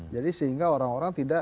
jadi sehingga orang orang tidak